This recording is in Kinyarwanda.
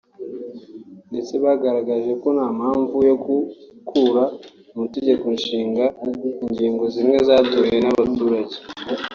ndetse bagaragaje ko nta mpamvu yo gukura mu itegeko nshinga ingingo zimwe zatowe n’abaturage